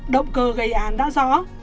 động cơ gây án đã rõ